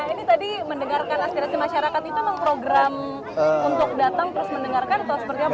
ini tadi mendengarkan aspirasi masyarakat itu memang program untuk datang terus mendengarkan atau seperti apa